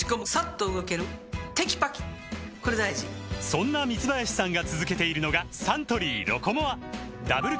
そんな三林さんが続けているのがサントリー「ロコモア」ダブル